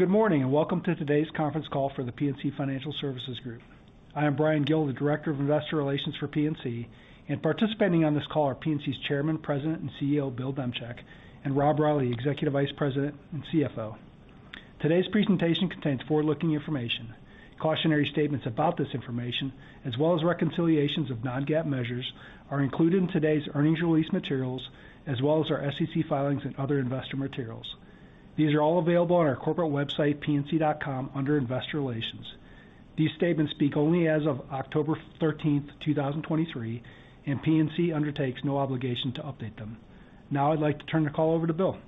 Good morning, and welcome to today's conference call for The PNC Financial Services Group. I am Bryan Gill, the Director of Investor Relations for PNC, and participating on this call are PNC's Chairman, President, and CEO, Bill Demchak, and Rob Reilly, Executive Vice President and CFO. Today's presentation contains forward-looking information. Cautionary statements about this information, as well as reconciliations of non-GAAP measures, are included in today's earnings release materials, as well as our SEC filings and other investor materials. These are all available on our corporate website, pnc.com, under Investor Relations. These statements speak only as of October thirteenth, 2023, and PNC undertakes no obligation to update them. Now I'd like to turn the call over to Bill.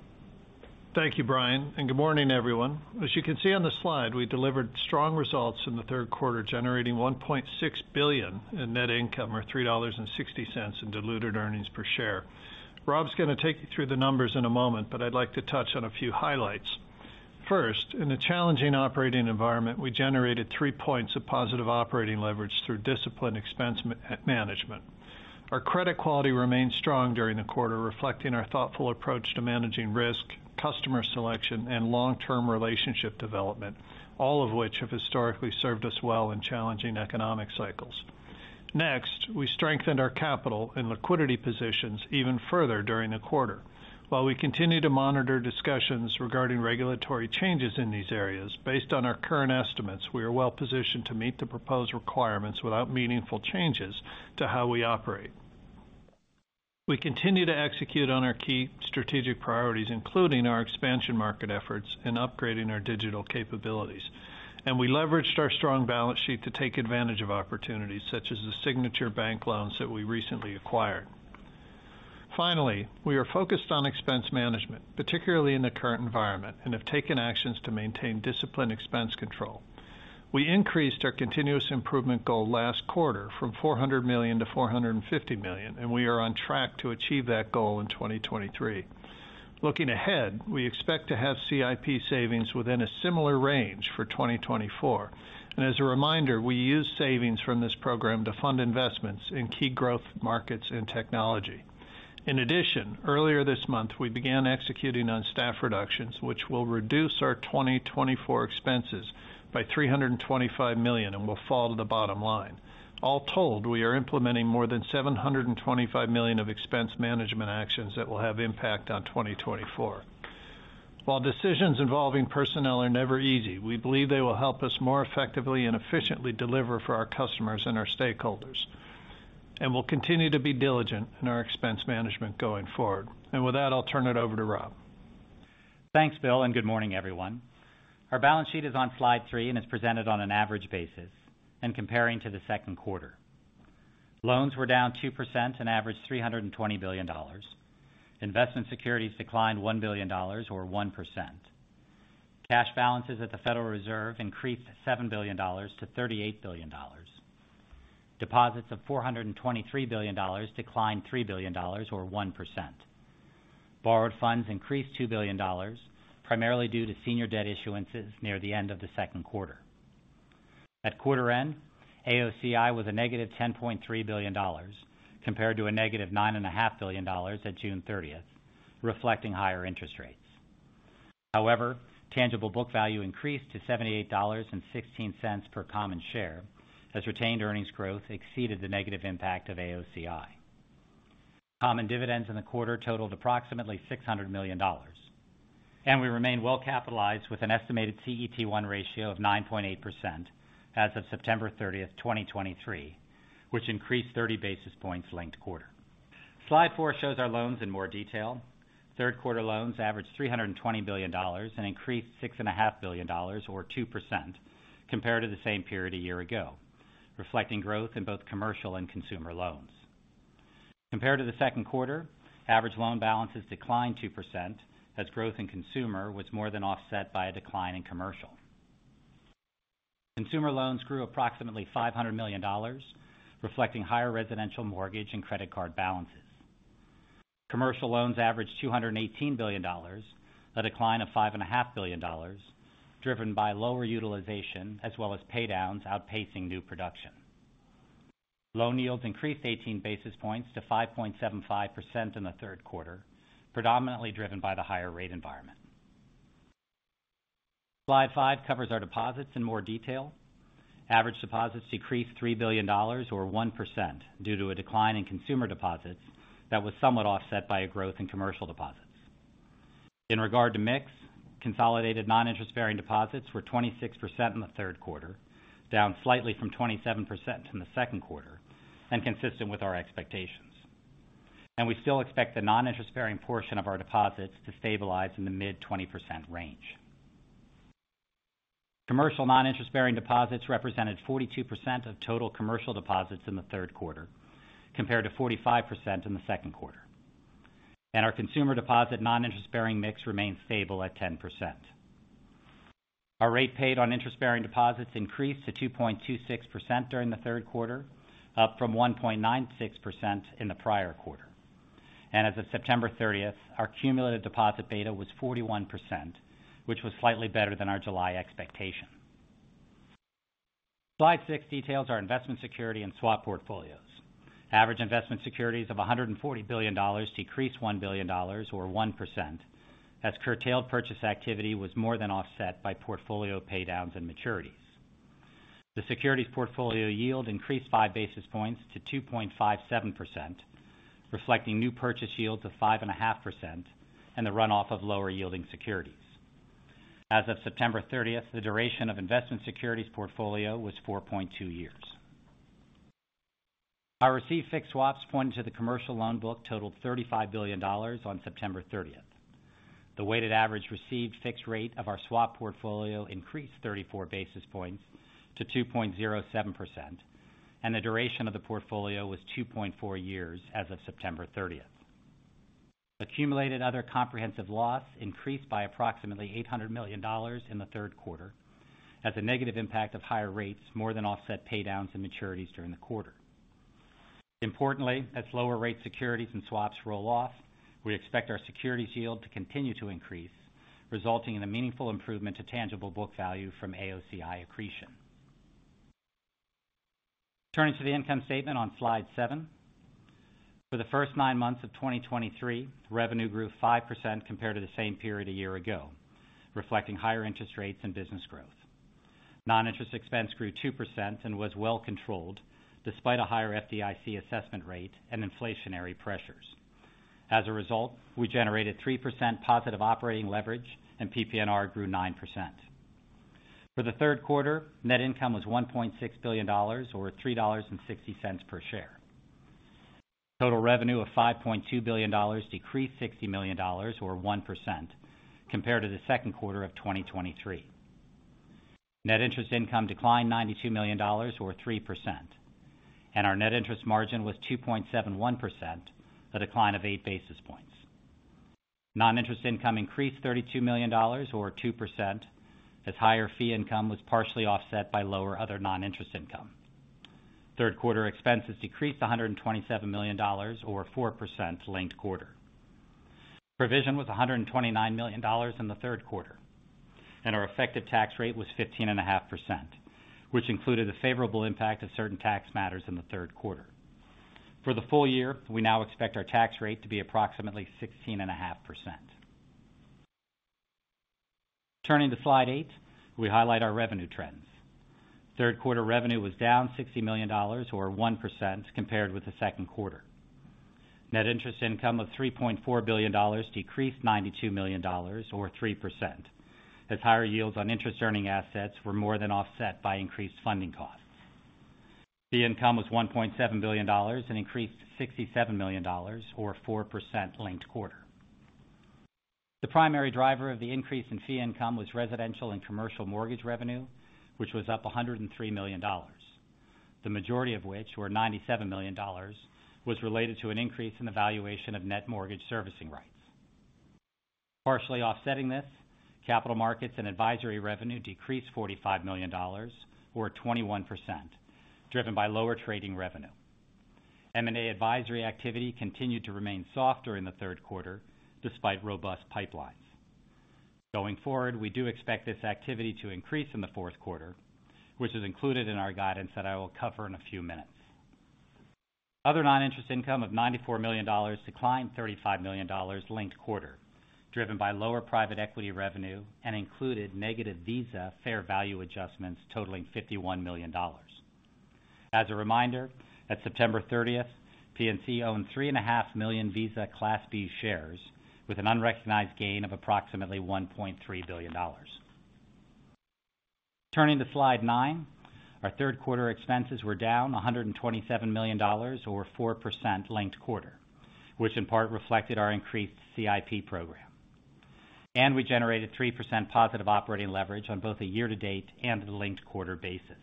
Thank you, Bryan, and good morning, everyone. As you can see on the slide, we delivered strong results in the third quarter, generating $1.6 billion in net income, or $3.60 in diluted earnings per share. Rob's going to take you through the numbers in a moment, but I'd like to touch on a few highlights. First, in a challenging operating environment, we generated 3 points of positive operating leverage through disciplined expense management. Our credit quality remained strong during the quarter, reflecting our thoughtful approach to managing risk, customer selection, and long-term relationship development, all of which have historically served us well in challenging economic cycles. Next, we strengthened our capital and liquidity positions even further during the quarter. While we continue to monitor discussions regarding regulatory changes in these areas, based on our current estimates, we are well positioned to meet the proposed requirements without meaningful changes to how we operate. We continue to execute on our key strategic priorities, including our expansion market efforts and upgrading our digital capabilities. We leveraged our strong balance sheet to take advantage of opportunities, such as the Signature Bank loans that we recently acquired. Finally, we are focused on expense management, particularly in the current environment, and have taken actions to maintain disciplined expense control. We increased our continuous improvement goal last quarter from $400 million to $450 million, and we are on track to achieve that goal in 2023. Looking ahead, we expect to have CIP savings within a similar range for 2024. As a reminder, we use savings from this program to fund investments in key growth markets and technology. In addition, earlier this month, we began executing on staff reductions, which will reduce our 2024 expenses by $325 million and will fall to the bottom line. All told, we are implementing more than $725 million of expense management actions that will have impact on 2024. While decisions involving personnel are never easy, we believe they will help us more effectively and efficiently deliver for our customers and our stakeholders, and we'll continue to be diligent in our expense management going forward. With that, I'll turn it over to Rob. Thanks, Bill, and good morning, everyone. Our balance sheet is on slide 3 and is presented on an average basis and comparing to the second quarter. Loans were down 2% and averaged $320 billion. Investment securities declined $1 billion, or 1%. Cash balances at the Federal Reserve increased $7 billion to $38 billion. Deposits of $423 billion declined $3 billion, or 1%. Borrowed funds increased $2 billion, primarily due to senior debt issuances near the end of the second quarter. At quarter end, AOCI was a negative $10.3 billion, compared to a negative $9.5 billion at June thirtieth, reflecting higher interest rates. However, tangible book value increased to $78.16 per common share, as retained earnings growth exceeded the negative impact of AOCI. Common dividends in the quarter totaled approximately $600 million, and we remain well capitalized with an estimated CET1 ratio of 9.8% as of September 30, 2023, which increased 30 basis points linked quarter. Slide 4 shows our loans in more detail. Third quarter loans averaged $320 billion and increased $6.5 billion, or 2%, compared to the same period a year ago, reflecting growth in both commercial and consumer loans. Compared to the second quarter, average loan balances declined 2%, as growth in consumer was more than offset by a decline in commercial. Consumer loans grew approximately $500 million, reflecting higher residential mortgage and credit card balances. Commercial loans averaged $218 billion, a decline of $5.5 billion, driven by lower utilization, as well as paydowns outpacing new production. Loan yields increased 18 basis points to 5.75% in the third quarter, predominantly driven by the higher rate environment. Slide five covers our deposits in more detail. Average deposits decreased $3 billion, or 1%, due to a decline in consumer deposits that was somewhat offset by a growth in commercial deposits. In regard to mix, consolidated non-interest bearing deposits were 26% in the third quarter, down slightly from 27% from the second quarter and consistent with our expectations. We still expect the non-interest bearing portion of our deposits to stabilize in the mid-20% range. Commercial non-interest bearing deposits represented 42% of total commercial deposits in the third quarter, compared to 45% in the second quarter. Our consumer deposit non-interest bearing mix remains stable at 10%. Our rate paid on interest-bearing deposits increased to 2.26% during the third quarter, up from 1.96% in the prior quarter. As of September 30, our cumulative deposit beta was 41%, which was slightly better than our July expectation.... Slide 6 details our investment security and swap portfolios. Average investment securities of $140 billion decreased $1 billion or 1%, as curtailed purchase activity was more than offset by portfolio pay downs and maturities. The securities portfolio yield increased 5 basis points to 2.57%, reflecting new purchase yields of 5.5% and the runoff of lower yielding securities. As of September 30th, the duration of investment securities portfolio was 4.2 years. Our received fixed swaps pointed to the commercial loan book totaled $35 billion on September 30th. The weighted average received fixed rate of our swap portfolio increased 34 basis points to 2.07%, and the duration of the portfolio was 2.4 years as of September 30th. Accumulated other comprehensive loss increased by approximately $800 million in the third quarter, as a negative impact of higher rates, more than offset pay downs and maturities during the quarter. Importantly, as lower rate securities and swaps roll off, we expect our securities yield to continue to increase, resulting in a meaningful improvement to tangible book value from AOCI accretion. Turning to the income statement on slide 7. For the first nine months of 2023, revenue grew 5% compared to the same period a year ago, reflecting higher interest rates and business growth. Non-interest expense grew 2% and was well controlled, despite a higher FDIC assessment rate and inflationary pressures. As a result, we generated 3% positive operating leverage, and PPNR grew 9%. For the third quarter, net income was $1.6 billion or $3.60 per share. Total revenue of $5.2 billion decreased $60 million or 1% compared to the second quarter of 2023. Net interest income declined $92 million or 3%, and our net interest margin was 2.71%, a decline of eight basis points. Non-interest income increased $32 million or 2%, as higher fee income was partially offset by lower other non-interest income. Third quarter expenses decreased $127 million or 4% linked quarter. Provision was $129 million in the third quarter, and our effective tax rate was 15.5%, which included a favorable impact of certain tax matters in the third quarter. For the full year, we now expect our tax rate to be approximately 16.5%. Turning to Slide 8, we highlight our revenue trends. Third quarter revenue was down $60 million or 1% compared with the second quarter. Net interest income of $3.4 billion decreased $92 million or 3%. As higher yields on interest earning assets were more than offset by increased funding costs. The income was $1.7 billion and increased $67 million or 4% linked quarter. The primary driver of the increase in fee income was residential and commercial mortgage revenue, which was up $103 million, the majority of which were $97 million, was related to an increase in the valuation of net mortgage servicing rights. Partially offsetting this, capital markets and advisory revenue decreased $45 million or 21%, driven by lower trading revenue. M&A advisory activity continued to remain softer in the third quarter despite robust pipelines. Going forward, we do expect this activity to increase in the fourth quarter, which is included in our guidance that I will cover in a few minutes. Other non-interest income of $94 million declined $35 million linked quarter, driven by lower private equity revenue and included negative Visa fair value adjustments totaling $51 million. As a reminder, at September 30th, PNC owned 3.5 million Visa Class B shares, with an unrecognized gain of approximately $1.3 billion. Turning to slide 9. Our third quarter expenses were down $127 million or 4% linked quarter, which in part reflected our increased CIP program, and we generated 3% positive operating leverage on both a year-to-date and the linked quarter basis.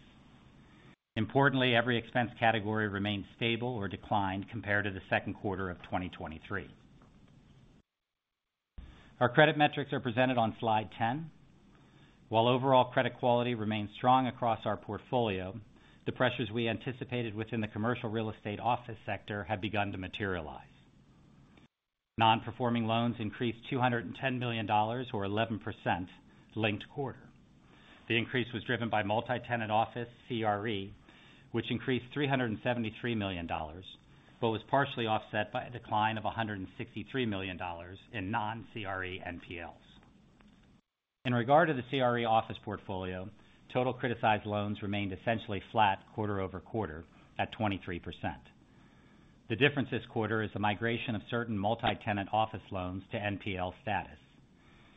Importantly, every expense category remains stable or declined compared to the second quarter of 2023. Our credit metrics are presented on slide 10. While overall credit quality remains strong across our portfolio, the pressures we anticipated within the commercial real estate office sector have begun to materialize. Non-performing loans increased $210 million, or 11% linked quarter. The increase was driven by multi-tenant office CRE, which increased $373 million, but was partially offset by a decline of $163 million in non-CRE NPLs. In regard to the CRE office portfolio, total criticized loans remained essentially flat quarter-over-quarter at 23%. The difference this quarter is the migration of certain multi-tenant office loans to NPL status,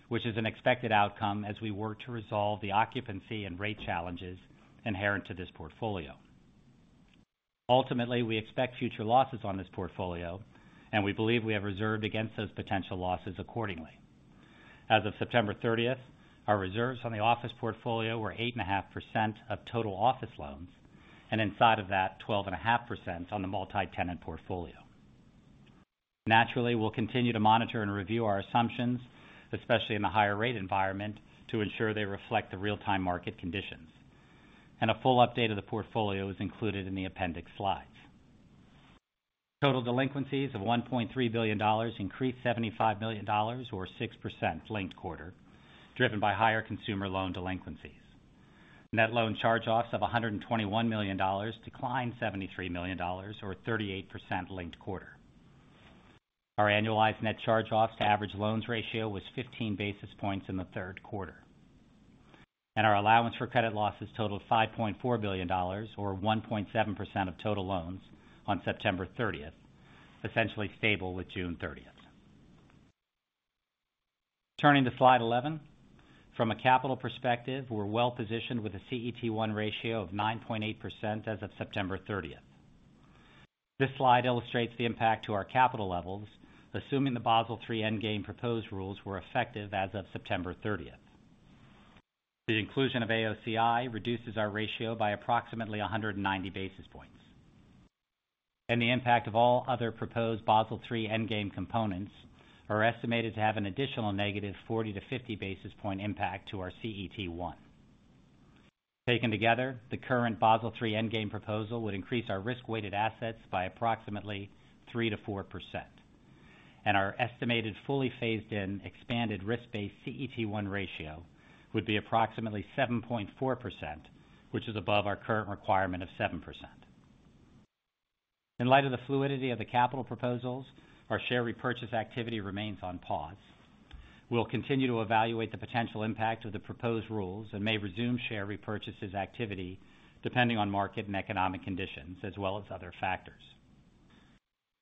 which is an expected outcome as we work to resolve the occupancy and rate challenges inherent to this portfolio. Ultimately, we expect future losses on this portfolio, and we believe we have reserved against those potential losses accordingly. As of September thirtieth, our reserves on the office portfolio were 8.5% of total office loans, and inside of that, 12.5% on the multi-tenant portfolio. Naturally, we'll continue to monitor and review our assumptions, especially in the higher rate environment, to ensure they reflect the real-time market conditions. A full update of the portfolio is included in the appendix slides. Total delinquencies of $1.3 billion increased $75 million, or 6% linked quarter, driven by higher consumer loan delinquencies. Net loan charge-offs of $121 million declined $73 million or 38% linked quarter. Our annualized net charge-offs to average loans ratio was 15 basis points in the third quarter, and our allowance for credit losses totaled $5.4 billion, or 1.7% of total loans on September thirtieth, essentially stable with June thirtieth. Turning to slide 11. From a capital perspective, we're well-positioned with a CET1 ratio of 9.8% as of September thirtieth. This slide illustrates the impact to our capital levels, assuming the Basel III Endgame proposed rules were effective as of September 30. The inclusion of AOCI reduces our ratio by approximately 100 basis points, and the impact of all other proposed Basel III Endgame components are estimated to have an additional negative 40-50 basis point impact to our CET1. Taken together, the current Basel III Endgame proposal would increase our risk-weighted assets by approximately 3%-4%, and our estimated fully phased in expanded risk-based CET1 ratio would be approximately 7.4%, which is above our current requirement of 7%. In light of the fluidity of the capital proposals, our share repurchase activity remains on pause. We'll continue to evaluate the potential impact of the proposed rules and may resume share repurchases activity, depending on market and economic conditions, as well as other factors.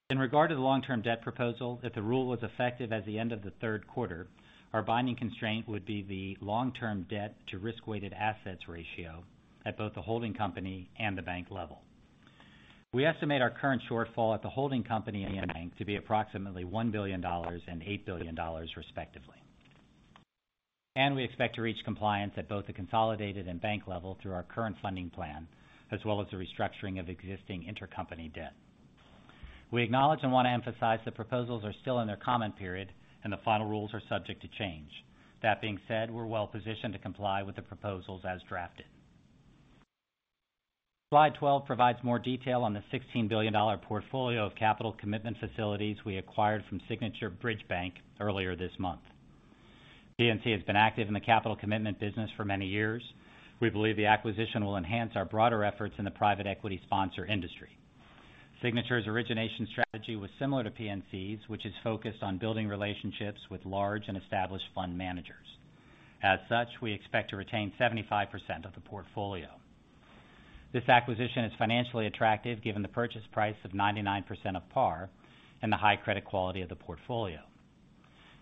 In regard to the long-term debt proposal, if the rule was effective at the end of the third quarter, our binding constraint would be the long-term debt to risk-weighted assets ratio at both the holding company and the bank level. We estimate our current shortfall at the holding company and the bank to be approximately $1 billion and $8 billion, respectively. We expect to reach compliance at both the consolidated and bank level through our current funding plan, as well as the restructuring of existing intercompany debt. We acknowledge and want to emphasize the proposals are still in their comment period, and the final rules are subject to change. That being said, we're well-positioned to comply with the proposals as drafted. Slide 12 provides more detail on the $16 billion portfolio of capital commitment facilities we acquired from Signature Bridge Bank earlier this month. PNC has been active in the capital commitment business for many years. We believe the acquisition will enhance our broader efforts in the private equity sponsor industry. Signature's origination strategy was similar to PNC's, which is focused on building relationships with large and established fund managers. As such, we expect to retain 75% of the portfolio. This acquisition is financially attractive, given the purchase price of 99% of par and the high credit quality of the portfolio.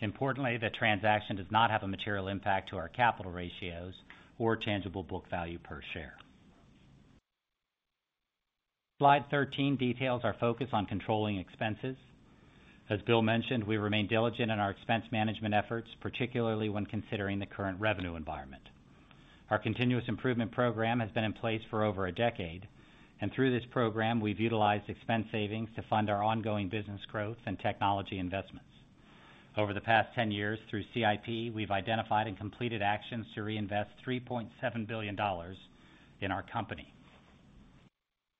Importantly, the transaction does not have a material impact to our capital ratios or tangible book value per share. Slide 13 details our focus on controlling expenses. As Bill mentioned, we remain diligent in our expense management efforts, particularly when considering the current revenue environment. Our continuous improvement program has been in place for over a decade, and through this program, we've utilized expense savings to fund our ongoing business growth and technology investments. Over the past 10 years, through CIP, we've identified and completed actions to reinvest $3.7 billion in our company.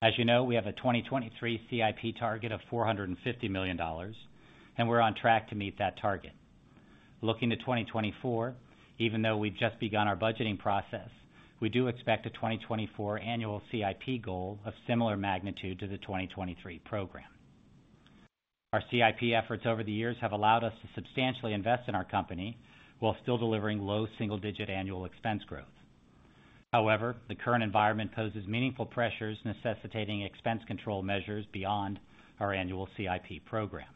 As you know, we have a 2023 CIP target of $450 million, and we're on track to meet that target. Looking to 2024, even though we've just begun our budgeting process, we do expect a 2024 annual CIP goal of similar magnitude to the 2023 program. Our CIP efforts over the years have allowed us to substantially invest in our company while still delivering low single-digit annual expense growth. However, the current environment poses meaningful pressures, necessitating expense control measures beyond our annual CIP program.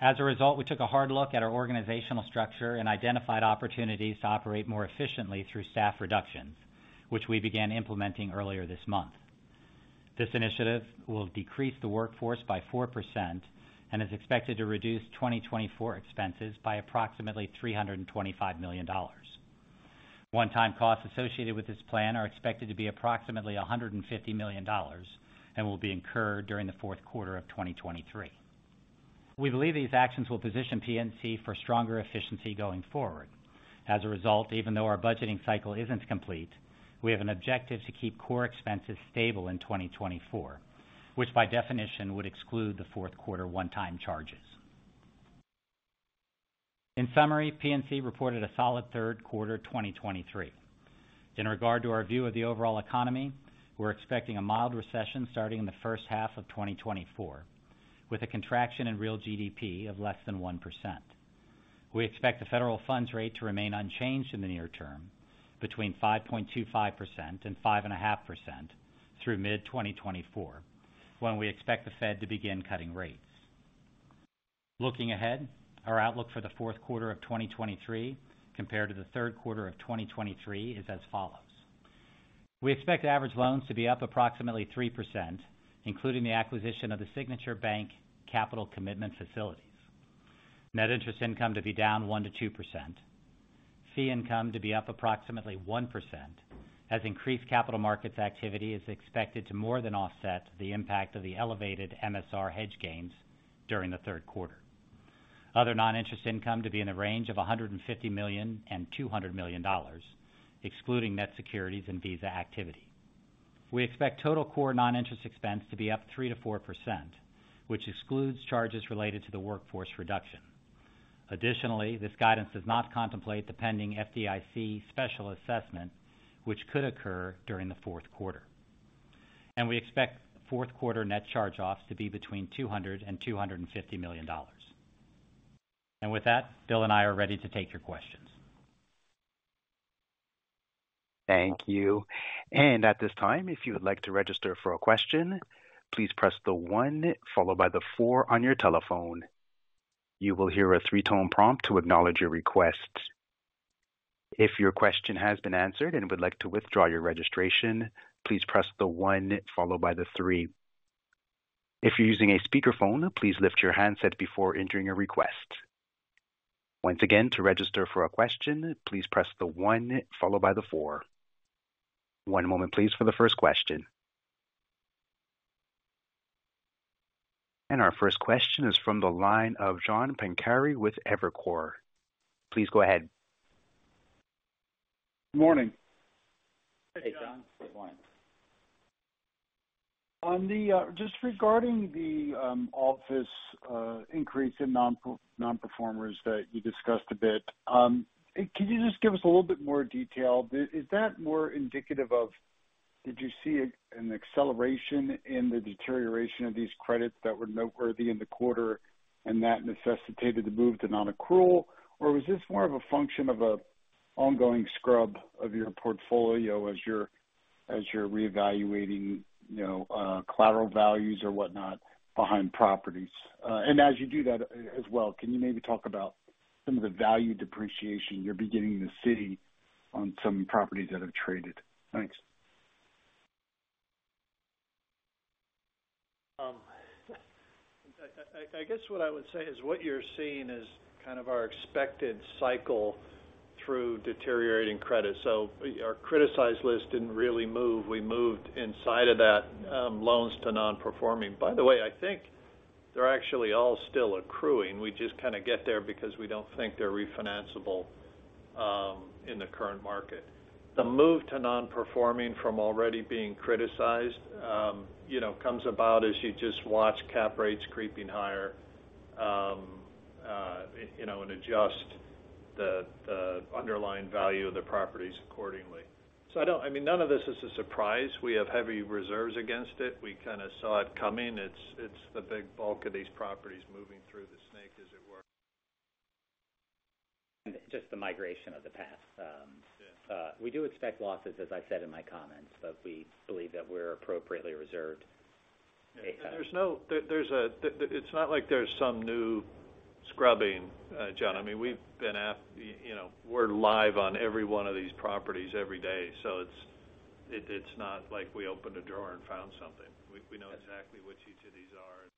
As a result, we took a hard look at our organizational structure and identified opportunities to operate more efficiently through staff reductions, which we began implementing earlier this month. This initiative will decrease the workforce by 4% and is expected to reduce 2024 expenses by approximately $325 million. One-time costs associated with this plan are expected to be approximately $150 million and will be incurred during the fourth quarter of 2023. We believe these actions will position PNC for stronger efficiency going forward. As a result, even though our budgeting cycle isn't complete, we have an objective to keep core expenses stable in 2024, which, by definition, would exclude the fourth quarter one-time charges. In summary, PNC reported a solid third quarter 2023. In regard to our view of the overall economy, we're expecting a mild recession starting in the first half of 2024, with a contraction in real GDP of less than 1%. We expect the federal funds rate to remain unchanged in the near term, between 5.25% and 5.5% through mid-2024, when we expect the Fed to begin cutting rates. Looking ahead, our outlook for the fourth quarter of 2023 compared to the third quarter of 2023 is as follows: We expect average loans to be up approximately 3%, including the acquisition of the Signature Bank capital commitment facilities. Net interest income to be down 1%-2%. Fee income to be up approximately 1%, as increased capital markets activity is expected to more than offset the impact of the elevated MSR hedge gains during the third quarter. Other non-interest income to be in the range of $150 million and $200 million, excluding net securities and Visa activity. We expect total core non-interest expense to be up 3%-4%, which excludes charges related to the workforce reduction. Additionally, this guidance does not contemplate the pending FDIC special assessment, which could occur during the fourth quarter. We expect fourth quarter net charge-offs to be between $200 million and $250 million. With that, Bill and I are ready to take your questions. Thank you. At this time, if you would like to register for a question, please press the one followed by the four on your telephone. You will hear a three-tone prompt to acknowledge your request. If your question has been answered and would like to withdraw your registration, please press the one followed by the three. If you're using a speakerphone, please lift your handset before entering your request. Once again, to register for a question, please press the one followed by the four. One moment, please, for the first question. Our first question is from the line of John Pancari with Evercore. Please go ahead. Morning. Hey, John. Good morning. On the just regarding the office increase in nonperforming that you discussed a bit, can you just give us a little bit more detail? Is that more indicative of did you see an acceleration in the deterioration of these credits that were noteworthy in the quarter and that necessitated the move to nonaccrual? Or was this more of a function of an ongoing scrub of your portfolio as you're reevaluating, you know, collateral values or whatnot behind properties? And as you do that as well, can you maybe talk about some of the value depreciation you're beginning to see on some properties that have traded? Thanks. I guess what I would say is what you're seeing is kind of our expected cycle through deteriorating credit. So our criticized list didn't really move. We moved inside of that, loans to nonperforming. By the way, I think they're actually all still accruing. We just kind of get there because we don't think they're refinanceable, in the current market. The move to nonperforming from already being criticized, you know, comes about as you just watch cap rates creeping higher, you know, and adjust the underlying value of the properties accordingly. I mean, none of this is a surprise. We have heavy reserves against it. We kind of saw it coming. It's the big bulk of these properties moving through the snake, as it were. Just the migration of the past. Yes. We do expect losses, as I said in my comments, but we believe that we're appropriately reserved. It's not like there's some new scrubbing, John. I mean, we've been, you know, we're live on every one of these properties every day, so it's not like we opened a drawer and found something. We know exactly what each of these are.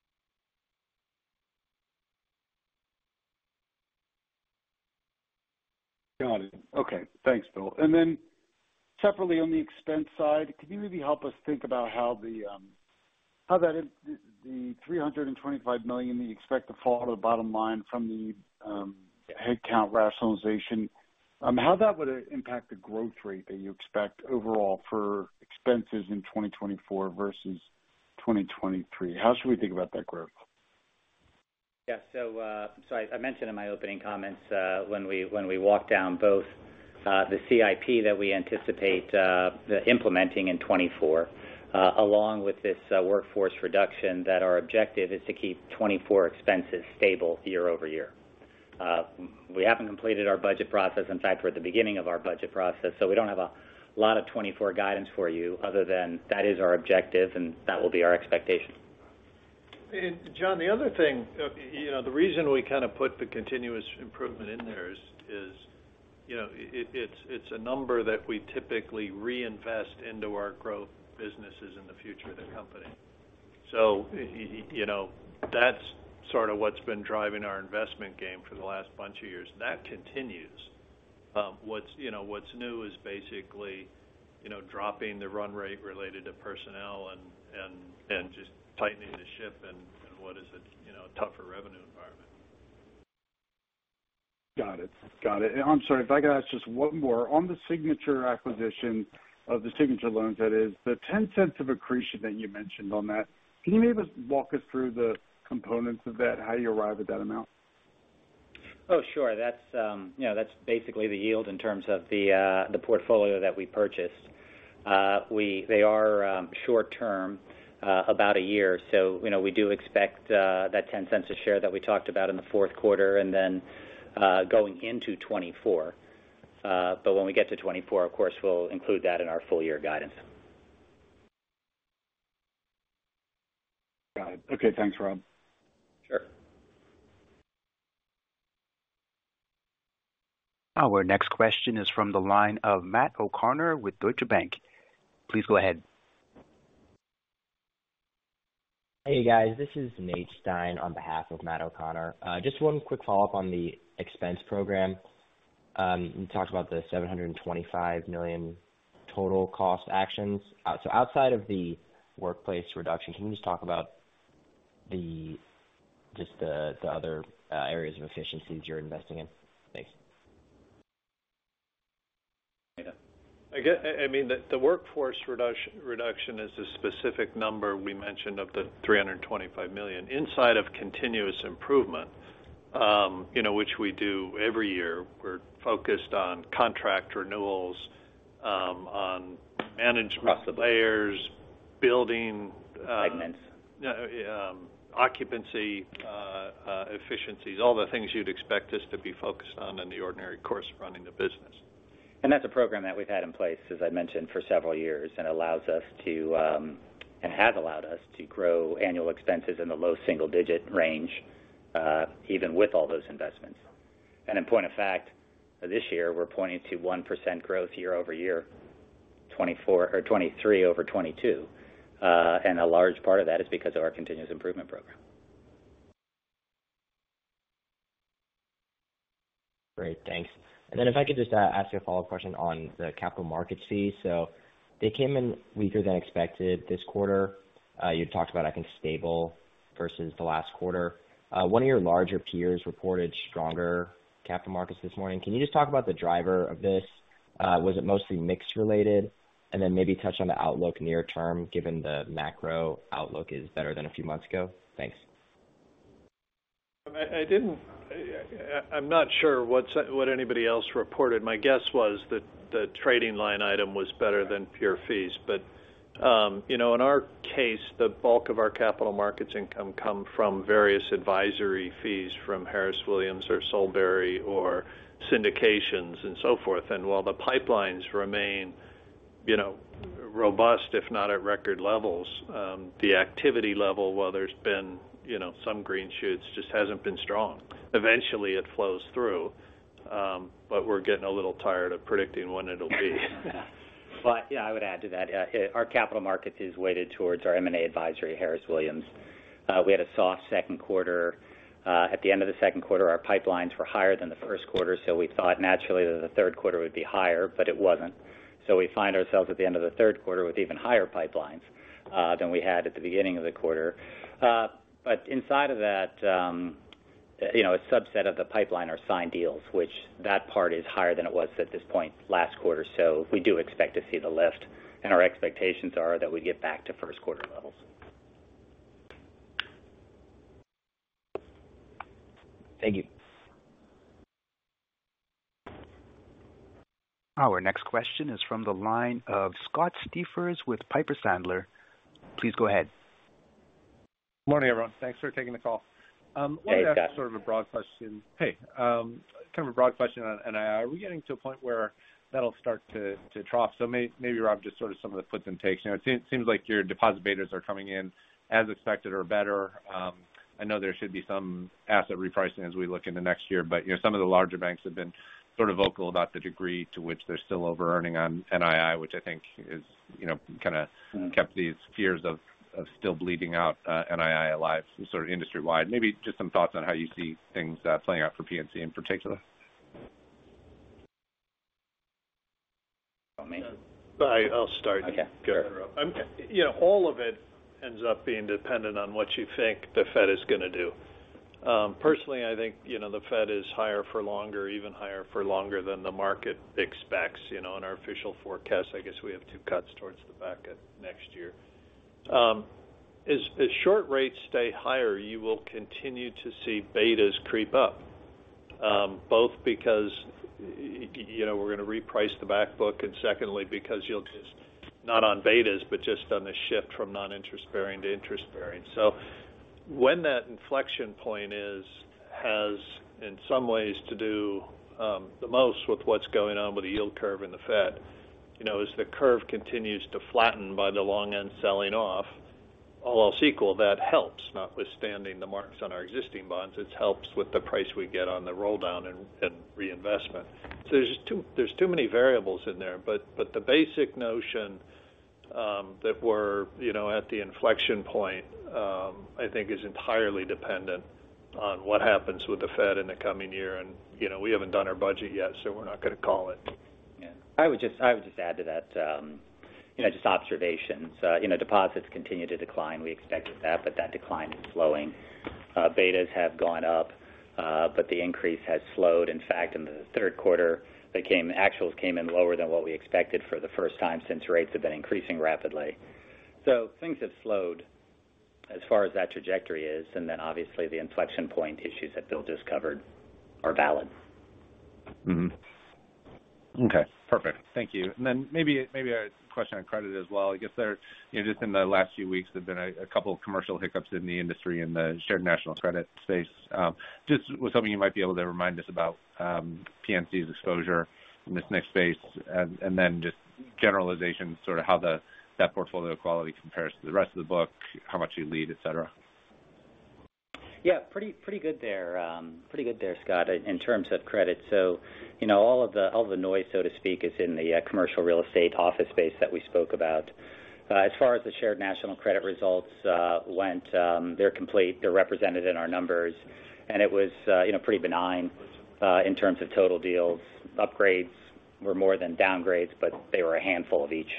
Got it. Okay. Thanks, Bill. And then separately, on the expense side, can you maybe help us think about how that, the $325 million that you expect to fall to the bottom line from the headcount rationalization, how that would impact the growth rate that you expect overall for expenses in 2024 versus 2023? How should we think about that growth? Yeah. So, so I, I mentioned in my opening comments, when we, when we walked down both, the CIP that we anticipate, the implementing in 2024, along with this, workforce reduction, that our objective is to keep 2024 expenses stable year over year. We haven't completed our budget process. In fact, we're at the beginning of our budget process, so we don't have a lot of 2024 guidance for you other than that is our objective, and that will be our expectation. And John, the other thing, you know, the reason we kind of put the continuous improvement in there is, you know, it's a number that we typically reinvest into our growth businesses in the future of the company. So, you know, that's sort of what's been driving our investment game for the last bunch of years. That continues. What's new is basically, you know, dropping the run rate related to personnel and just tightening the ship in what is a, you know, tougher revenue environment. Got it. Got it. And I'm sorry if I could ask just one more. On the Signature acquisition of the Signature loans, that is the $0.10 of accretion that you mentioned on that, can you maybe just walk us through the components of that? How do you arrive at that amount? Oh, sure. That's, you know, that's basically the yield in terms of the, the portfolio that we purchased. They are short term, about a year. So, you know, we do expect that $0.10 a share that we talked about in the fourth quarter and then, going into 2024. But when we get to 2024, of course, we'll include that in our full year guidance. Got it. Okay. Thanks, Rob. Sure. Our next question is from the line of Matt O'Connor with Deutsche Bank. Please go ahead. Hey, guys, this is Nate Stein on behalf of Matt O'Connor. Just one quick follow-up on the expense program. You talked about the $725 million total cost actions. So outside of the workplace reduction, can you just talk about just the other areas of efficiencies you're investing in? Thanks. Yeah. I guess, I mean, the workforce reduction is a specific number we mentioned of the $325 million. Inside of continuous improvement, you know, which we do every year, we're focused on contract renewals, on management layers, building. Segments. Yeah, occupancy, efficiencies, all the things you'd expect us to be focused on in the ordinary course of running the business. That's a program that we've had in place, as I mentioned, for several years, and allows us to, and has allowed us to grow annual expenses in the low single digit range, even with all those investments. In point of fact, this year, we're pointing to 1% growth year-over-year, 2024 or 2023 over 2022. A large part of that is because of our Continuous Improvement Program. Great, thanks. And then if I could just ask you a follow-up question on the capital markets fees. So they came in weaker than expected this quarter. You talked about, I think, stable versus the last quarter. One of your larger peers reported stronger capital markets this morning. Can you just talk about the driver of this? Was it mostly mix related? And then maybe touch on the outlook near term, given the macro outlook is better than a few months ago? Thanks. I didn't—I'm not sure what anybody else reported. My guess was that the trading line item was better than pure fees. But, you know, in our case, the bulk of our capital markets income come from various advisory fees from Harris Williams or Solebury or syndications and so forth. And while the pipelines remain, you know, robust, if not at record levels, the activity level, while there's been, you know, some green shoots, just hasn't been strong. Eventually, it flows through, but we're getting a little tired of predicting when it'll be. But, yeah, I would add to that. Our capital markets is weighted towards our M&A advisory, Harris Williams. We had a soft second quarter. At the end of the second quarter, our pipelines were higher than the first quarter, so we thought naturally that the third quarter would be higher, but it wasn't. So we find ourselves at the end of the third quarter with even higher pipelines than we had at the beginning of the quarter. But inside of that, you know, a subset of the pipeline are signed deals, which that part is higher than it was at this point last quarter. So we do expect to see the lift, and our expectations are that we get back to first quarter levels. Thank you. Our next question is from the line of Scott Siefers with Piper Sandler. Please go ahead. Morning, everyone. Thanks for taking the call. Hey, Scott. Let me ask sort of a broad question. Hey, kind of a broad question on NII. Are we getting to a point where that'll start to trough? So maybe, Rob, just sort of some of the puts and takes. You know, it seems like your deposit betas are coming in as expected or better. I know there should be some asset repricing as we look into next year, but, you know, some of the larger banks have been sort of vocal about the degree to which they're still overearning on NII, which I think is, you know, kind of kept these fears of still bleeding out NII alive, sort of industry-wide. Maybe just some thoughts on how you see things playing out for PNC in particular. You want me? I'll start. Okay. Sure. You know, all of it ends up being dependent on what you think the Fed is going to do. Personally, I think, you know, the Fed is higher for longer, even higher for longer than the market expects. You know, in our official forecast, I guess we have two cuts towards the back of next year. As short rates stay higher, you will continue to see betas creep up, both because, you know, we're going to reprice the back book, and secondly, because you'll just, not on betas, but just on the shift from non-interest bearing to interest bearing. So when that inflection point is, in some ways, to do the most with what's going on with the yield curve and the Fed. You know, as the curve continues to flatten by the long end selling off, all else equal, that helps, notwithstanding the marks on our existing bonds. It helps with the price we get on the roll down and reinvestment. So there's too many variables in there, but the basic notion that we're, you know, at the inflection point, I think is entirely dependent on what happens with the Fed in the coming year. And, you know, we haven't done our budget yet, so we're not going to call it. Yeah. I would just, I would just add to that, you know, just observations. You know, deposits continue to decline. We expected that, but that decline is slowing. Betas have gone up, but the increase has slowed. In fact, in the third quarter, actuals came in lower than what we expected for the first time since rates have been increasing rapidly. So things have slowed as far as that trajectory is, and then obviously the inflection point issues that Bill just covered are valid. Mm-hmm. Okay, perfect. Thank you. Maybe a question on credit as well. I guess there, you know, just in the last few weeks, there've been a couple of commercial hiccups in the industry in the Shared National Credit space. I was hoping you might be able to remind us about PNC's exposure in this space, and just generalization, sort of how that portfolio quality compares to the rest of the book, how much you lead, et cetera. Yeah, pretty good there, Scott, in terms of credit. So, you know, all of the noise, so to speak, is in the commercial real estate office space that we spoke about. As far as the Shared National Credit results went, they're complete. They're represented in our numbers, and it was, you know, pretty benign in terms of total deals. Upgrades were more than downgrades, but they were a handful of each.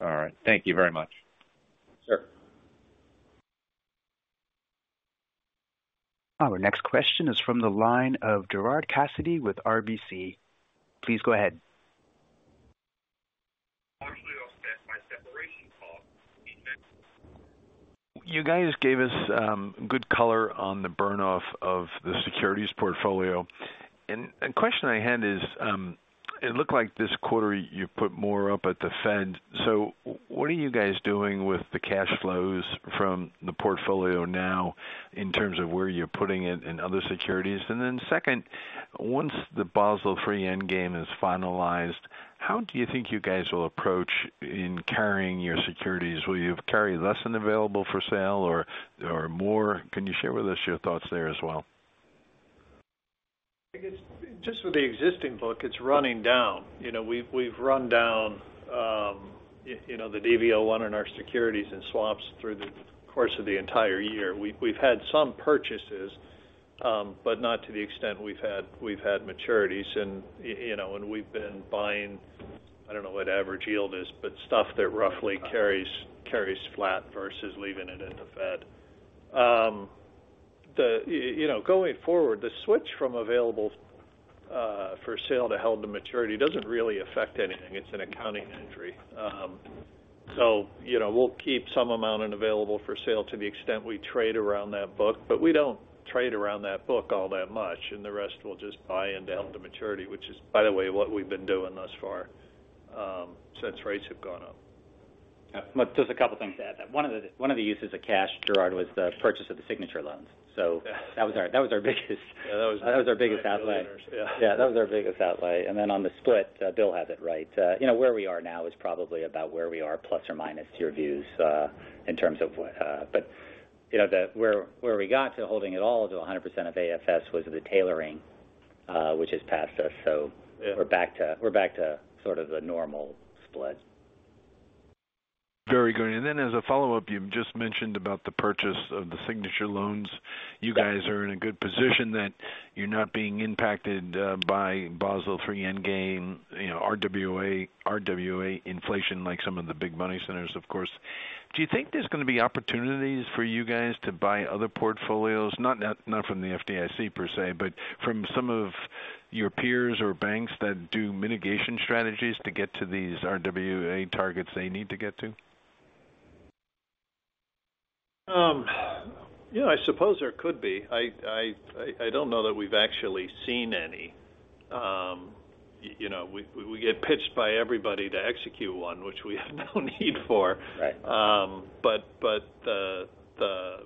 All right. Thank you very much. Sure. Our next question is from the line of Gerard Cassidy with RBC. Please go ahead. You guys gave us good color on the burn off of the securities portfolio. And the question I had is, it looked like this quarter you put more up at the Fed. So what are you guys doing with the cash flows from the portfolio now in terms of where you're putting it in other securities? And then second, once the Basel III Endgame is finalized, how do you think you guys will approach in carrying your securities? Will you carry less than available for sale or more? Can you share with us your thoughts there as well? I guess, just with the existing book, it's running down. You know, we've run down you know, the DV01 in our securities and swaps through the course of the entire year. We've had some purchases, but not to the extent we've had maturities. And, you know, and we've been buying, I don't know what average yield is, but stuff that roughly carries flat versus leaving it in the Fed. You know, going forward, the switch from available for sale to held to maturity doesn't really affect anything. It's an accounting entry. So, you know, we'll keep some amount available for sale to the extent we trade around that book, but we don't trade around that book all that much, and the rest we'll just buy into held to maturity, which is, by the way, what we've been doing thus far, since rates have gone up. Yeah. But just a couple of things to add. One of the uses of cash, Gerard, was the purchase of the Signature loans. Yeah. So that was our biggest. Yeah, that was- That was our biggest outlay. Yeah. Yeah, that was our biggest outlay. And then on the split, Bill has it right. You know, where we are now is probably about where we are, plus or minus, to your views, in terms of what... But, you know, where we got to holding it all to 100% of AFS was the tailoring, which has passed us. Yeah. So we're back to sort of the normal split. Very good. And then as a follow-up, you've just mentioned about the purchase of the Signature loans. Yeah. You guys are in a good position that you're not being impacted by Basel III Endgame, you know, RWA, RWA inflation, like some of the big money centers, of course. Do you think there's going to be opportunities for you guys to buy other portfolios? Not, not from the FDIC per se, but from some of your peers or banks that do mitigation strategies to get to these RWA targets they need to get to? You know, I suppose there could be. I don't know that we've actually seen any. You know, we get pitched by everybody to execute one, which we have no need for. Right. But the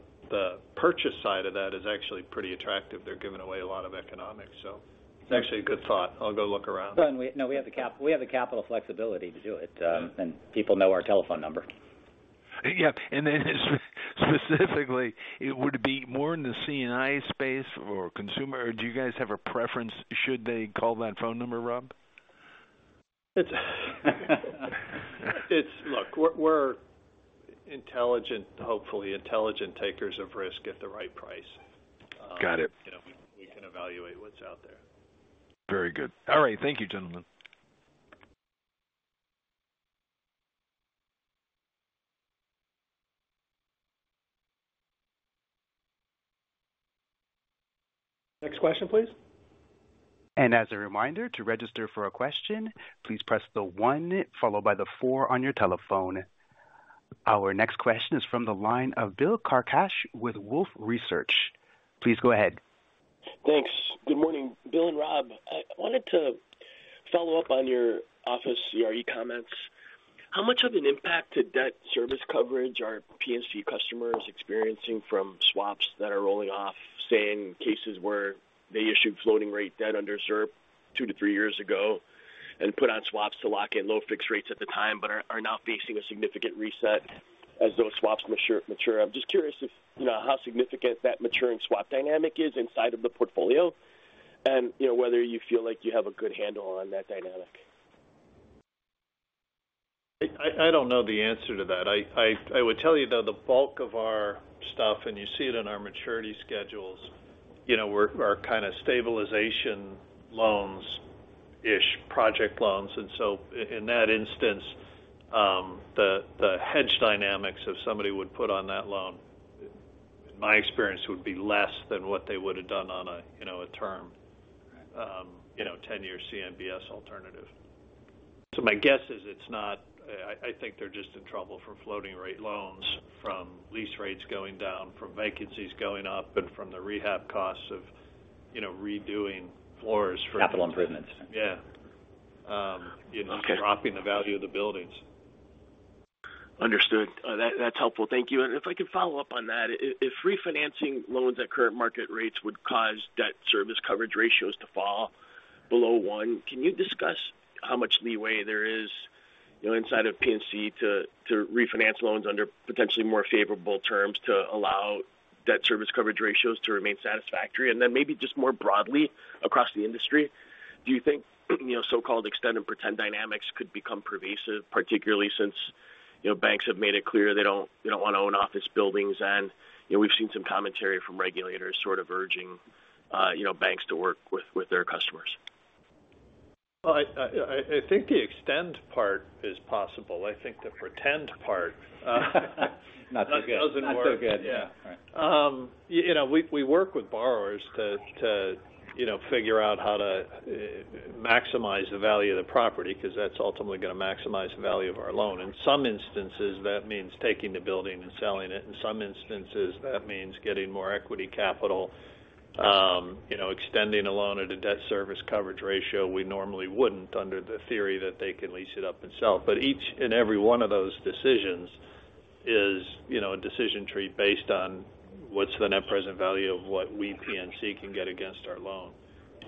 purchase side of that is actually pretty attractive. They're giving away a lot of economics, so it's actually a good thought. I'll go look around. Well, and we... No, we have the capital flexibility to do it, and people know our telephone number. Yeah, and then specifically, it would be more in the C&I space or consumer, or do you guys have a preference? Should they call that phone number, Rob? It's... Look, we're intelligent, hopefully intelligent takers of risk at the right price. Got it. You know, we can evaluate what's out there. Very good. All right. Thank you, gentlemen. Next question, please. As a reminder, to register for a question, please press the one, followed by the four on your telephone. Our next question is from the line of Bill Carcache with Wolfe Research. Please go ahead. Thanks. Good morning, Bill and Rob. I wanted to follow up on your office CRE comments. How much of an impact to debt service coverage are PNC customers experiencing from swaps that are rolling off? Say, in cases where they issued floating rate debt under ZIRP 2-3 years ago and put on swaps to lock in low fixed rates at the time, but are now facing a significant reset as those swaps mature. I'm just curious if, you know, how significant that maturing swap dynamic is inside of the portfolio, and, you know, whether you feel like you have a good handle on that dynamic. I don't know the answer to that. I would tell you, though, the bulk of our stuff, and you see it in our maturity schedules, you know, we are kind of stabilization loans-ish, project loans. And so in that instance, the hedge dynamics, if somebody would put on that loan, in my experience, would be less than what they would have done on a, you know, a term, you know, ten-year CMBS alternative. So my guess is it's not... I think they're just in trouble for floating-rate loans, from lease rates going down, from vacancies going up, and from the rehab costs of, you know, redoing floors for- Capital improvements. Yeah. You know- Okay. dropping the value of the buildings. Understood. That, that's helpful. Thank you. And if I could follow up on that, if refinancing loans at current market rates would cause debt service coverage ratios to fall below one, can you discuss how much leeway there is, you know, inside of PNC to refinance loans under potentially more favorable terms to allow debt service coverage ratios to remain satisfactory? And then maybe just more broadly across the industry, do you think, you know, so-called extend and pretend dynamics could become pervasive, particularly since... you know, banks have made it clear they don't, they don't want to own office buildings, and, you know, we've seen some commentary from regulators sort of urging, you know, banks to work with their customers. Well, I think the extend part is possible. I think the pretend part, Not so good. That doesn't work. Not so good. Yeah. Right. You know, we work with borrowers to, you know, figure out how to maximize the value of the property, because that's ultimately going to maximize the value of our loan. In some instances, that means taking the building and selling it. In some instances, that means getting more equity capital, you know, extending a loan at a debt service coverage ratio we normally wouldn't, under the theory that they can lease it up and sell. But each and every one of those decisions is, you know, a decision tree based on what's the net present value of what we, PNC, can get against our loan.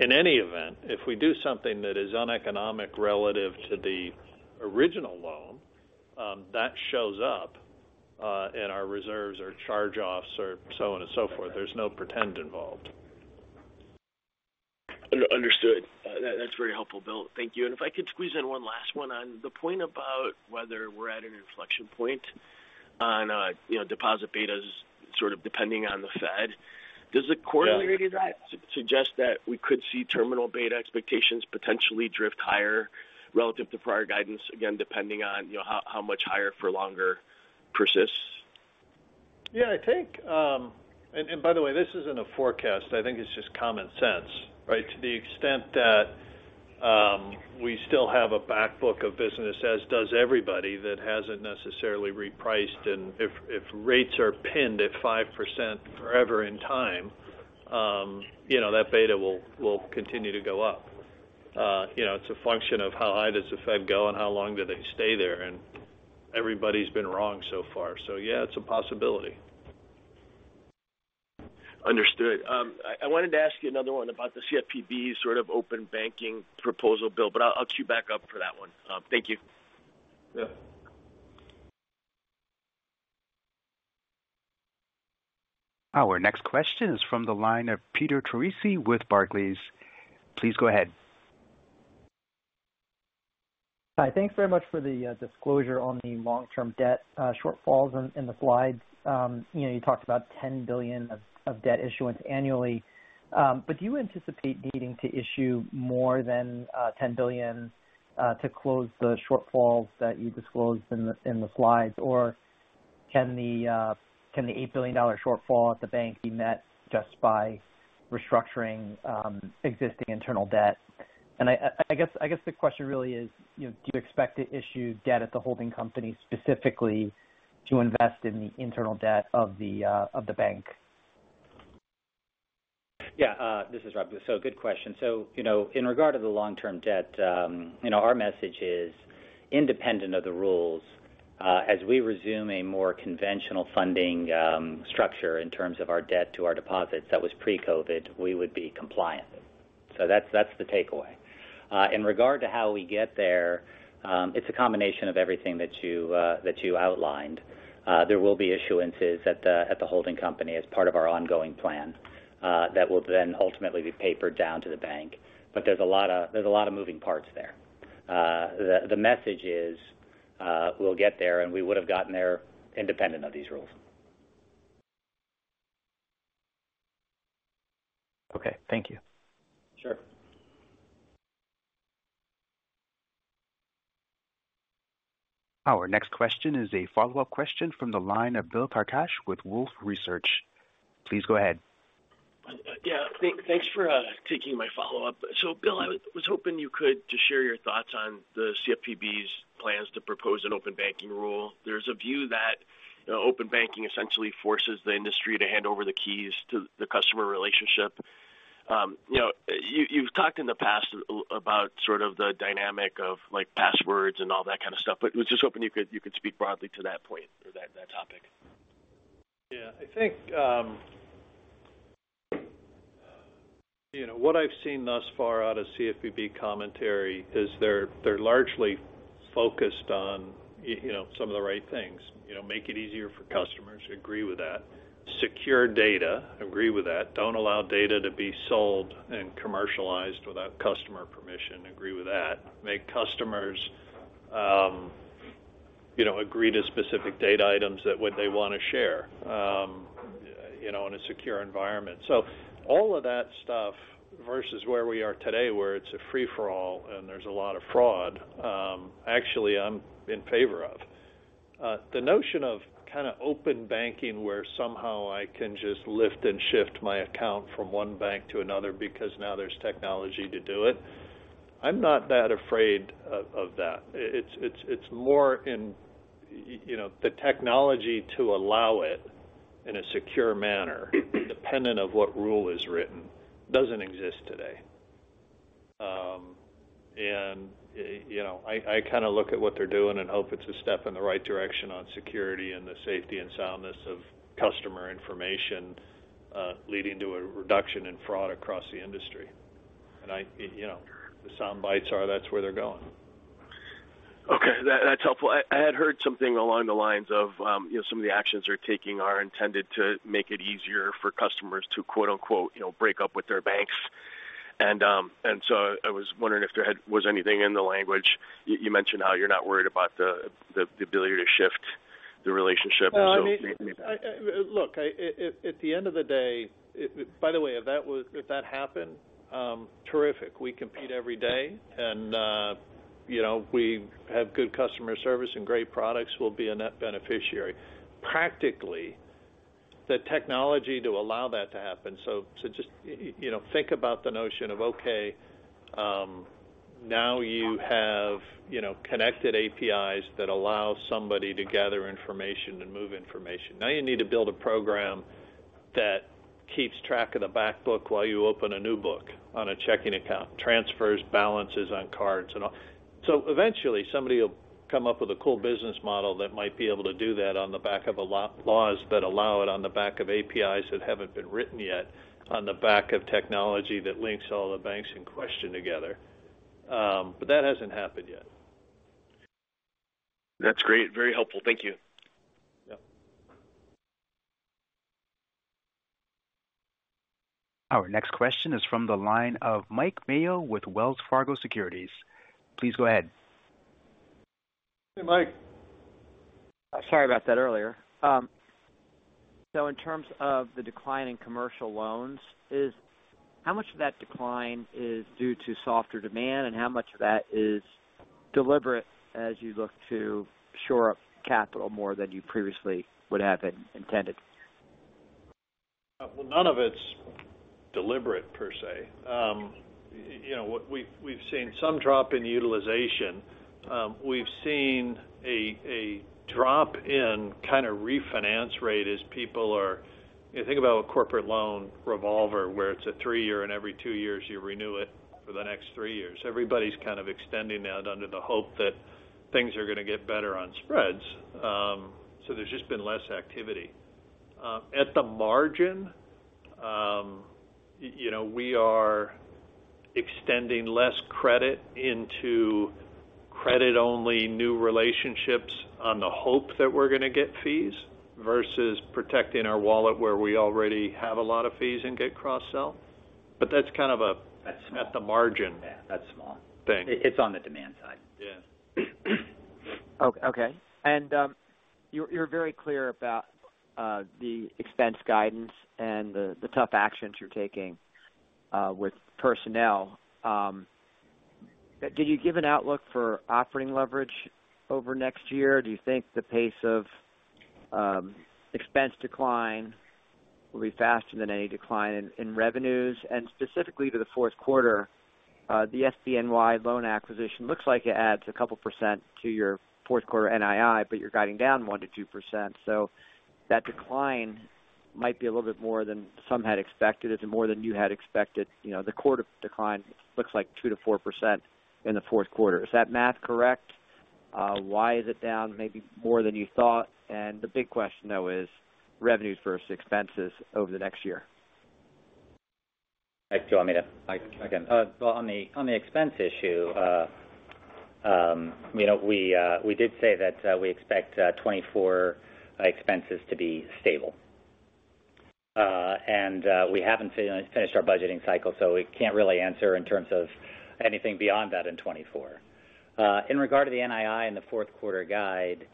In any event, if we do something that is uneconomic relative to the original loan, that shows up in our reserves or charge-offs or so on and so forth. There's no pretend involved. Understood. That's very helpful, Bill. Thank you. If I could squeeze in one last one on the point about whether we're at an inflection point on, you know, deposit betas sort of depending on the Fed. Yeah. Does the quarterly suggest that we could see terminal beta expectations potentially drift higher relative to prior guidance, again, depending on, you know, how much higher for longer persists? Yeah, I think, and by the way, this isn't a forecast, I think it's just common sense, right? To the extent that we still have a backbook of business, as does everybody, that hasn't necessarily repriced, and if rates are pinned at 5% forever in time, you know, that beta will continue to go up. You know, it's a function of how high does the Fed go and how long do they stay there? And everybody's been wrong so far. So yeah, it's a possibility. Understood. I wanted to ask you another one about the CFPB's sort of open banking proposal, Bill, but I'll queue back up for that one. Thank you. Yeah. Our next question is from the line of Peter Troisi with Barclays. Please go ahead. Hi, thanks very much for the disclosure on the long-term debt shortfalls in the slides. You know, you talked about $10 billion of debt issuance annually. But do you anticipate needing to issue more than $10 billion to close the shortfalls that you disclosed in the slides? Or can the $8 billion dollar shortfall at the bank be met just by restructuring existing internal debt? And I guess the question really is, you know, do you expect to issue debt at the holding company specifically to invest in the internal debt of the bank? Yeah, this is Rob. So good question. So, you know, in regard to the long-term debt, you know, our message is independent of the rules, as we resume a more conventional funding structure in terms of our debt to our deposits that was pre-COVID, we would be compliant. So that's, that's the takeaway. In regard to how we get there, it's a combination of everything that you, that you outlined. There will be issuances at the, at the holding company as part of our ongoing plan, that will then ultimately be papered down to the bank. But there's a lot of, there's a lot of moving parts there. The, the message is, we'll get there, and we would have gotten there independent of these rules. Okay. Thank you. Sure. Our next question is a follow-up question from the line of Bill Carcache with Wolfe Research. Please go ahead. Yeah, thanks for taking my follow-up. So, Bill, I was hoping you could just share your thoughts on the CFPB's plans to propose an open banking rule. There's a view that, you know, open banking essentially forces the industry to hand over the keys to the customer relationship. You know, you've talked in the past about sort of the dynamic of, like, passwords and all that kind of stuff, but I was just hoping you could speak broadly to that point or that topic. Yeah. I think, you know, what I've seen thus far out of CFPB commentary is they're largely focused on, you know, some of the right things. You know, make it easier for customers, agree with that. Secure data, agree with that. Don't allow data to be sold and commercialized without customer permission, agree with that. Make customers, you know, agree to specific data items that would they want to share, you know, in a secure environment. So all of that stuff versus where we are today, where it's a free-for-all and there's a lot of fraud, actually, I'm in favor of. The notion of kind of open banking, where somehow I can just lift and shift my account from one bank to another because now there's technology to do it, I'm not that afraid of, of that. It's more in, you know, the technology to allow it in a secure manner, independent of what rule is written, doesn't exist today. And, you know, I kind of look at what they're doing and hope it's a step in the right direction on security and the safety and soundness of customer information, leading to a reduction in fraud across the industry. And I, you know, the sound bites are, that's where they're going. Okay, that's helpful. I had heard something along the lines of, you know, some of the actions they're taking are intended to make it easier for customers to, quote-unquote, you know, "break up with their banks. and so I was wondering if there was anything in the language. You mentioned how you're not worried about the ability to shift the relationship. So maybe- Well, I mean, look, at the end of the day, by the way, if that was- if that happened, terrific. We compete every day, and, you know, we have good customer service and great products, we'll be a net beneficiary. Practically, the technology to allow that to happen, so just, you know, think about the notion of, now you have, you know, connected APIs that allow somebody to gather information and move information. Now you need to build a program that keeps track of the back book while you open a new book on a checking account, transfers balances on cards and all. Eventually, somebody will come up with a cool business model that might be able to do that on the back of a law, laws that allow it, on the back of APIs that haven't been written yet, on the back of technology that links all the banks in question together. But that hasn't happened yet. That's great. Very helpful. Thank you. Yep. Our next question is from the line of Mike Mayo with Wells Fargo Securities. Please go ahead. Hey, Mike. Sorry about that earlier. So in terms of the decline in commercial loans, how much of that decline is due to softer demand, and how much of that is deliberate as you look to shore up capital more than you previously would have intended? Well, none of it's deliberate per se. You know, what we've seen some drop in utilization. We've seen a drop in kind of refinance rate as people are... If you think about a corporate loan revolver, where it's a 3-year, and every 2 years you renew it for the next 3 years. Everybody's kind of extending that under the hope that things are going to get better on spreads. So there's just been less activity. At the margin, you know, we are extending less credit into credit-only new relationships on the hope that we're going to get fees, versus protecting our wallet, where we already have a lot of fees and get cross-sell. But that's kind of a- That's small. At the margin. Yeah, that's small. Thing. It's on the demand side. Yeah. Okay. You're very clear about the expense guidance and the tough actions you're taking with personnel. Did you give an outlook for operating leverage over next year? Do you think the pace of expense decline will be faster than any decline in revenues? Specifically to the fourth quarter, the Signature loan acquisition looks like it adds a couple percent to your fourth quarter NII, but you're guiding down 1-2%. That decline might be a little bit more than some had expected. Is it more than you had expected? You know, the quarter decline looks like 2-4% in the fourth quarter. Is that math correct? Why is it down maybe more than you thought? The big question, though, is revenues versus expenses over the next year. Mike, do you want me to- Mike, again. Well, on the, on the expense issue, you know, we, we did say that, we expect, 2024 expenses to be stable. And, we haven't finished our budgeting cycle, so we can't really answer in terms of anything beyond that in 2024. In regard to the NII in the fourth quarter guide,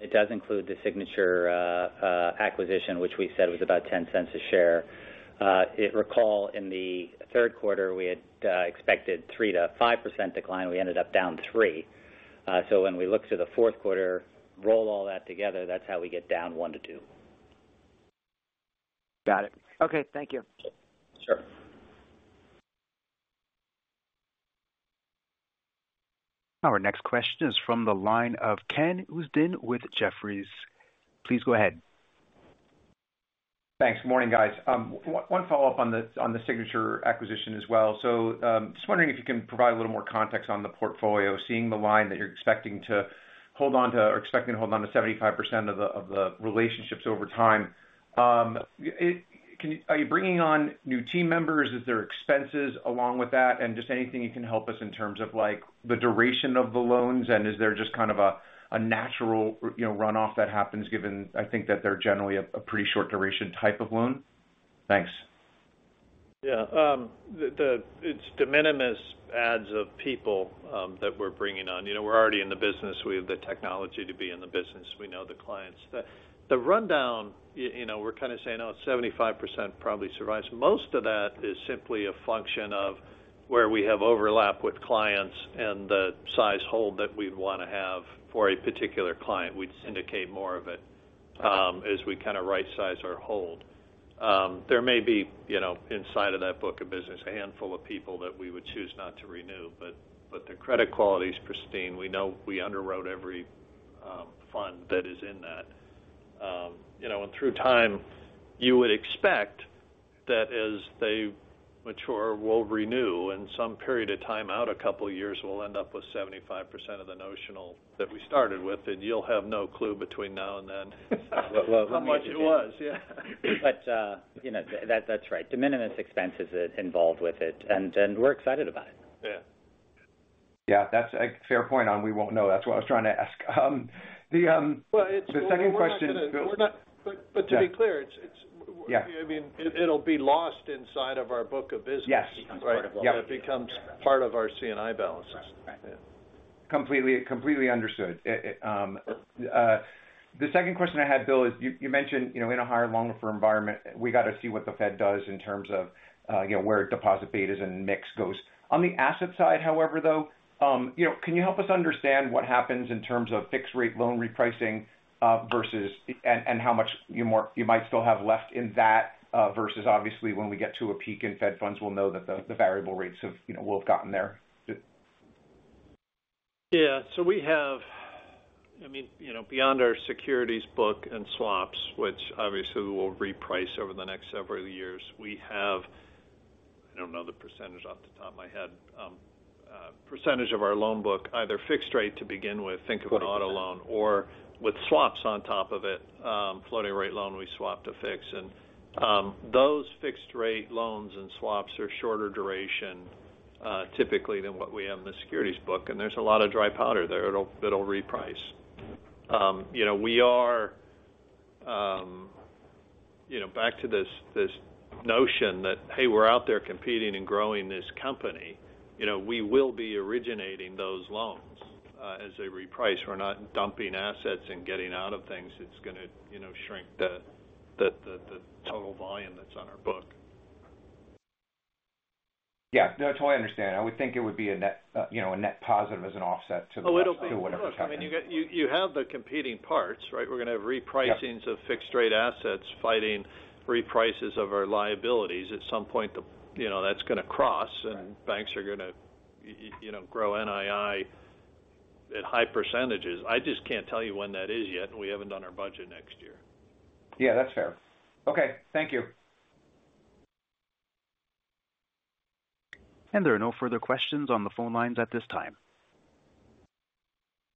it does include the Signature acquisition, which we said was about $0.10 a share. I recall in the third quarter, we had expected 3%-5% decline. We ended up down 3%. So when we look to the fourth quarter, roll all that together, that's how we get down 1%-2%. Got it. Okay, thank you. Sure. Our next question is from the line of Ken Usdin with Jefferies. Please go ahead. Thanks. Morning, guys. One follow-up on the Signature acquisition as well. So, just wondering if you can provide a little more context on the portfolio, seeing the line that you're expecting to hold on to, or expecting to hold on to 75% of the relationships over time. Can you – are you bringing on new team members? Is there expenses along with that? And just anything you can help us in terms of like, the duration of the loans, and is there just kind of a natural, you know, runoff that happens, given I think that they're generally a pretty short duration type of loan? Thanks. Yeah, it's de minimis adds of people that we're bringing on. You know, we're already in the business. We have the technology to be in the business. We know the clients. The rundown, you know, we're kind of saying, oh, 75% probably survives. Most of that is simply a function of where we have overlap with clients and the size hold that we'd want to have for a particular client. We'd syndicate more of it, as we kind of rightsize our hold. There may be, you know, inside of that book of business, a handful of people that we would choose not to renew, but the credit quality is pristine. We know we underwrote every fund that is in that. You know, and through time, you would expect that as they mature, we'll renew, and some period of time out, a couple of years, we'll end up with 75% of the notional that we started with, and you'll have no clue between now and then... Well, well- How much it was, yeah. But, you know, that, that's right. De minimis expenses is involved with it, and we're excited about it. Yeah. Yeah, that's a fair point on we won't know. That's what I was trying to ask. The second question- Well, we're not gonna... Yeah. But to be clear, it's, Yeah. I mean, it, it'll be lost inside of our book of business. Yes. Becomes part of it. Yep. It becomes part of our C&I balances. Right. Right. Completely, completely understood. The second question I had, Bill, is you mentioned, you know, in a higher, longer term environment, we gotta see what the Fed does in terms of, you know, where deposit betas and mix goes. On the asset side, however, though, you know, can you help us understand what happens in terms of fixed-rate loan repricing, versus how much you might still have left in that, versus obviously, when we get to a peak in Fed funds, we'll know that the variable rates have, you know, will have gotten there? Yeah. So we have, I mean, you know, beyond our securities book and swaps, which obviously we will reprice over the next several years, we have. I don't know the percentage off the top of my head, percentage of our loan book, either fixed rate to begin with, think of an auto loan or with swaps on top of it, floating rate loan we swap to fix. Those fixed rate loans and swaps are shorter duration, typically than what we have in the securities book, and there's a lot of dry powder there. It'll reprice. You know, we are, you know, back to this notion that, hey, we're out there competing and growing this company, you know, we will be originating those loans as they reprice. We're not dumping assets and getting out of things that's gonna, you know, shrink the total volume that's on our book. Yeah. No, totally understand. I would think it would be a net, you know, a net positive as an offset to the- Oh, it'll be. To whatever's happening. I mean, you get, you have the competing parts, right? We're gonna have repricings- Yeah... of fixed-rate assets, fighting reprices of our liabilities. At some point, you know, that's gonna cross- Right - and banks are gonna, you know, grow NII at high percentages. I just can't tell you when that is yet. We haven't done our budget next year. Yeah, that's fair. Okay, thank you. There are no further questions on the phone lines at this time.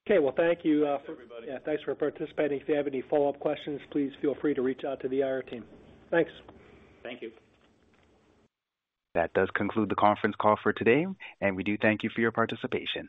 Okay, well, thank you for— Everybody. Yeah, thanks for participating. If you have any follow-up questions, please feel free to reach out to the IR team. Thanks. Thank you. That does conclude the conference call for today, and we do thank you for your participation.